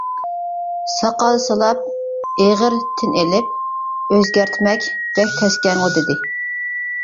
ساقال سىلاپ ئېغىر تىن ئېلىپ، ئۆزگەرتمەك بەك تەسكەنغۇ دېدى.